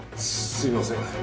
すいません。